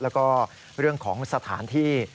แล้วก็เรื่องของสถานที่